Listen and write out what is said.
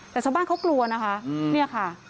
แต่ชาวบ้านเขากลัวนะคะเนี่ยค่ะ